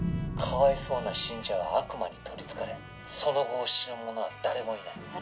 かわいそうな信者は悪魔に取りつかれその後を知る者は誰もいない。